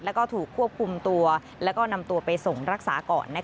แล้วก็ถูกควบคุมตัวแล้วก็นำตัวไปส่งรักษาก่อน